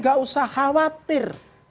gak usah khawatir